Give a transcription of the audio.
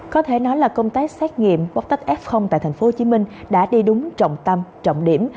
có thể nói là công tác xét nghiệm pot tức f tại tp hcm đã đi đúng trọng tâm trọng điểm